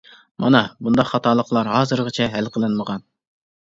مانا بۇنداق خاتالىقلار ھازىرغىچە ھەل قىلىنمىغان.